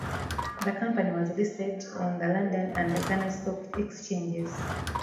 The company was listed on the London and Ghana stock exchanges.